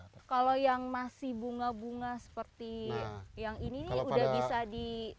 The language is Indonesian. kalau yang masih bunga bunga seperti yang ini nih udah bisa di